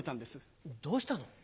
どうしたの？